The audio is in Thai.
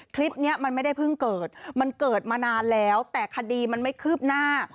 คลิปนี้มันไม่ได้เพิ่งเกิดมันเกิดมานานแล้วแต่คดีมันไม่คืบหน้า